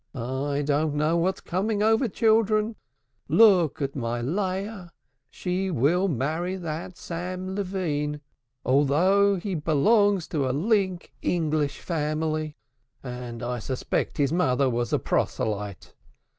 I don't know what's coming over children. Look at my Leah. She will marry that Sam Levine, though he belongs to a lax English family, and I suspect his mother was a proselyte.